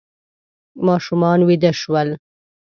ماشومان ویده شول.